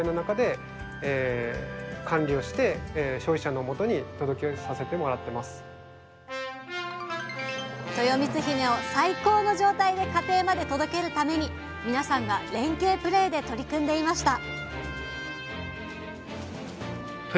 そのためですねとよみつひめを最高の状態で家庭まで届けるために皆さんが連携プレーで取り組んでいました